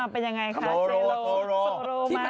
เป็นยังไงคะโซโรมา